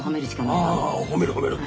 ああ褒める褒める。